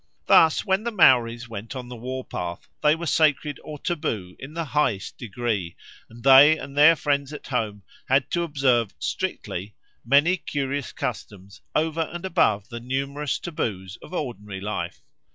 Thus when the Maoris went out on the war path they were sacred or taboo in the highest degree, and they and their friends at home had to observe strictly many curious customs over and above the numerous taboos of ordinary life.